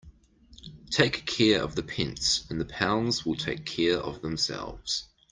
Take care of the pence and the pounds will take care of themselves.